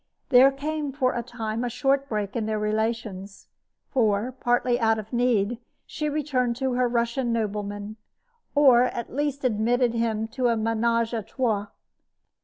There came, for a time, a short break in their relations; for, partly out of need, she returned to her Russian nobleman, or at least admitted him to a menage a trois.